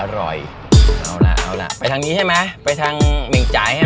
อร่อยเอาล่ะเอาล่ะไปทางนี้ใช่ไหมไปทางเหม่งจ่ายให้